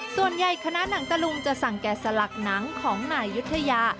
ส่วนใหญ่คณะหนังตะลุงจะสั่งแก่สลักหนังของนายุทยา